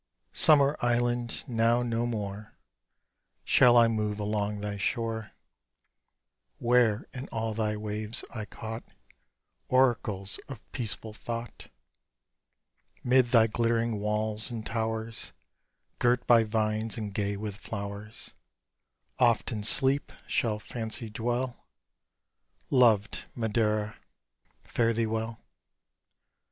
Summer island, now no more Shall I move along thy shore, Where in all thy waves I caught Oracles of peaceful thought; Mid thy glittering walls and towers, Girt by vines and gay with flowers, Oft in sleep shall fancy dwell: Loved Madeira, fare thee well.